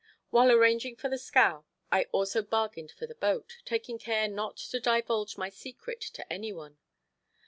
While arranging for the scow I also bargained for the boat, taking care not to divulge my secret to any one.